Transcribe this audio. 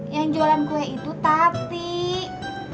yang jualan kue itu tatik